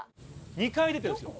２回出てるんですよ。